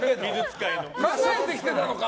考えてきてたのか？